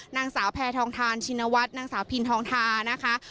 นางสาวแพทองทานชินวัฒน์นางสาวพินทองทานะคะ